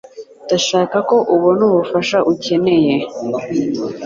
Ndashaka ko ubona ubufasha ukeneye.